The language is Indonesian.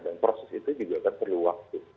dan proses itu juga kan perlu waktu